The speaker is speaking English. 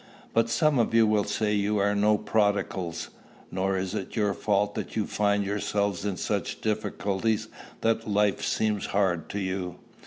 "But some of you will say you are no prodigals; nor is it your fault that you find yourselves in such difficulties that life seems hard to you.